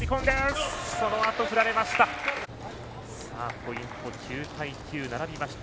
ポイント９対９、並びました。